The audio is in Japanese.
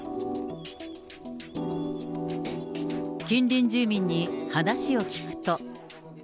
近隣住民に話を聞くと。